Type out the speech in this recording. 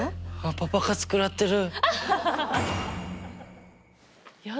パパ活食らってる。